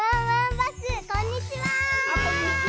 あっこんにちは！